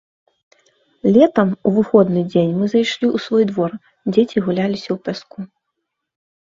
Летам, у выходны дзень мы зайшлі ў свой двор, дзеці гуляліся ў пяску.